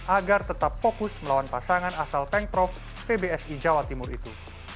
agar tetap fokus melawan pasangan asal pengprov pbsi jawa timur itu